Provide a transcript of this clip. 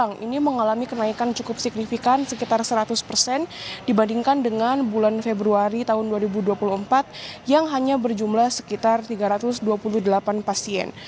sekarang ini mengalami kenaikan cukup signifikan sekitar seratus persen dibandingkan dengan bulan februari tahun dua ribu dua puluh empat yang hanya berjumlah sekitar tiga ratus dua puluh delapan pasien